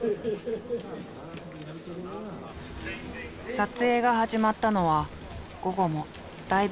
撮影が始まったのは午後もだいぶ過ぎた頃。